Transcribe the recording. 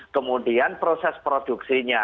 kemudian proses produksinya